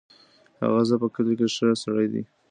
هغه ز په کلي کې ښه سړی دی.